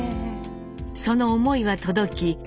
その思いは届き